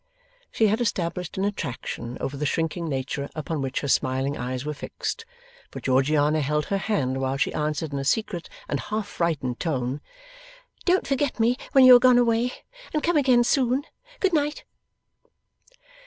She had established an attraction over the shrinking nature upon which her smiling eyes were fixed, for Georgiana held her hand while she answered in a secret and half frightened tone: 'Don't forget me when you are gone away. And come again soon. Good night!